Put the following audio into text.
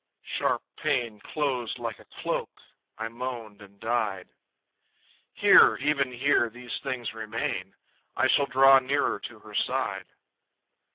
Sharp pain Closed like a cloak.... I moaned and died. Here, even here, these things remain. I shall draw nearer to her side.